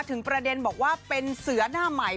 ถึงประเด็นบอกว่าเป็นเสือหน้าใหม่